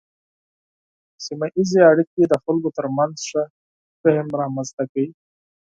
سیمه ایزې اړیکې د خلکو ترمنځ ښه فهم رامنځته کوي.